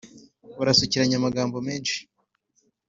Barasukiranya amagambo menshi